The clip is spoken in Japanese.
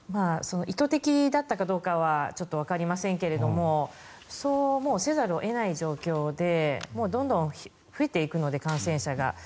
意図的だったかはわかりませんがそうせざるを得ない状況でどんどん増えていくので感染者が。